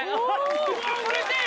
うわうれしい！